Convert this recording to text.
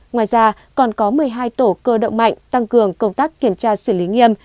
ngoài ra còn có một mươi hai tổ cơ động mạnh tăng cường công tác kiểm tra xử lý nghiêm